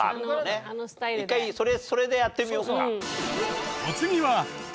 一回それでやってみようか。